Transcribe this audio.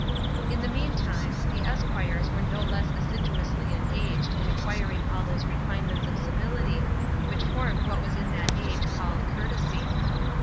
In the meantime, the esquires were no less assiduously engaged in acquiring all those refinements of civility which formed what was in that age called courtesy.